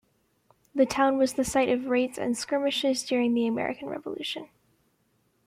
The town was the site of raids and skirmishes during the American Revolution.